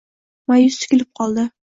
Ma’yus tikilib qoldi.